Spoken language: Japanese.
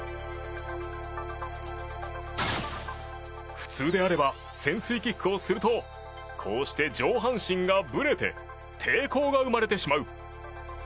普通であれば潜水キックをするとこうして上半身がぶれて抵抗が生まれてしまう。